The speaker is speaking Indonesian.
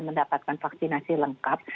mendapatkan vaksinasi lengkap